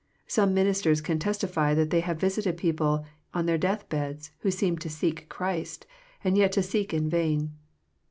Some ministers can testify that they have visited people on their deathbeds who seem to seek Christ, and 3'et to seek in vain.